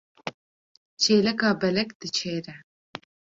Çêleka belek diçêre.